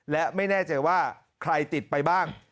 และไม่แน่ใจว่าใครติดไปบ้าง